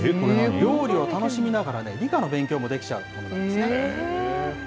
料理を楽しみながらね、理科の勉強もできちゃうものなんですね。